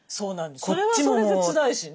それはそれでつらいしね。